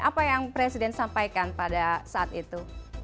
apa yang presiden sampaikan pada saat itu